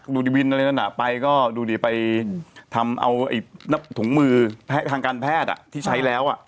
ดูดิวินอะไรนั้นไปก็ดูดิไปทำเอาถุงมือทางการแพทย์ที่ใช้แล้ว